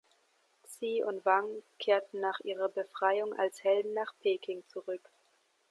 Xie und Wang kehrten nach ihrer Befreiung als Helden nach Peking zurück.